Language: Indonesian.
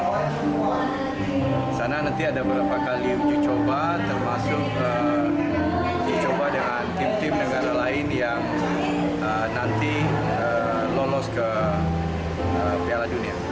di sana nanti ada beberapa kali uji coba termasuk dicoba dengan tim tim negara lain yang nanti lolos ke piala dunia